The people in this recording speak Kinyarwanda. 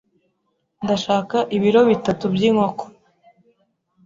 Ndashaka ibiro bitatu by'inkoko.